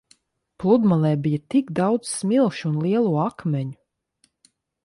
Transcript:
Pludmalē bija tik daudz smilšu un lielo akmeņu.